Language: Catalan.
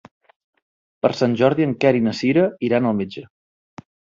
Per Sant Jordi en Quer i na Cira iran al metge.